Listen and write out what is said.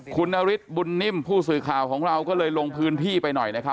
คุณนฤทธิบุญนิ่มผู้สื่อข่าวของเราก็เลยลงพื้นที่ไปหน่อยนะครับ